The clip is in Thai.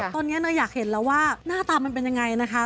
ตอนนี้เนยอยากเห็นแล้วว่าหน้าตามันเป็นยังไงนะคะ